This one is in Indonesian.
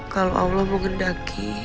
kalau allah mau ngendaki